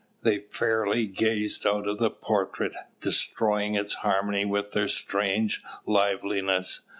They fairly gazed out of the portrait, destroying its harmony with their strange liveliness.